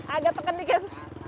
agak tekan dikit